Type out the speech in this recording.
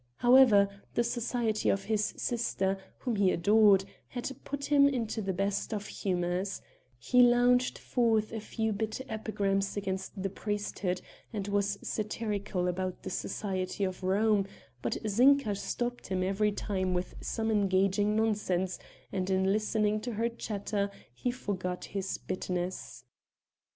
However, the society of his sister, whom he adored, had put him into the best of humors; he launched forth a few bitter epigrams against the priesthood, and was satirical about the society of Rome, but Zinka stopped him every time with some engaging nonsense, and in listening to her chatter he forgot his bitterness.